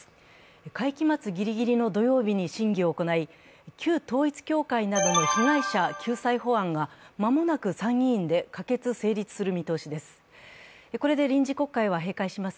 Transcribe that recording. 会期末ギリギリの土曜日に審議を行い旧統一教会などの被害者救済法案が間もなく参議院で可決・成立する見通しです。